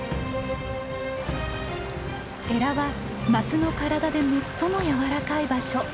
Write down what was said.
エラはマスの体で最も柔らかい場所。